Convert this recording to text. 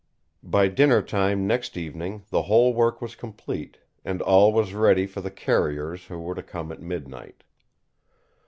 By dinner time next evening the whole work was complete, and all was ready for the carriers who were to come at midnight.